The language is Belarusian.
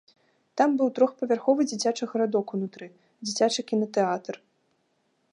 Там быў трохпавярховы дзіцячы гарадок унутры, дзіцячы кінатэатр.